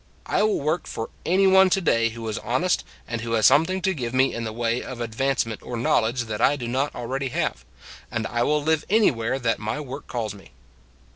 I will work for any one to day who is honest and who has something to give me in the way of ad vancement or knowledge that I do not al ready have; and I will live anywhere that my work calls me.